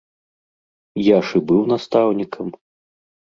Я ж і быў настаўнікам!